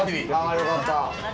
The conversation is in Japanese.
よかった。